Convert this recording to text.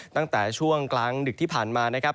ตั้งแต่ช่วงกลางดึกที่ผ่านมานะครับ